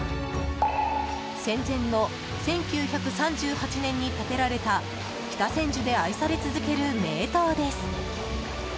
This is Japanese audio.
戦前の１９３８年に建てられた北千住で愛され続ける名湯です。